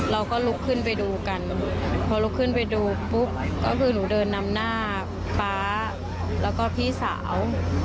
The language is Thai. เราก็ลุกขึ้นไปดูกันพอลุกขึ้นไปดูปุ๊บก็คือหนูเดินนำหน้าป๊าแล้วก็พี่สาว